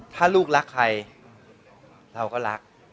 ถ้าลูกรักใครเราก็รัก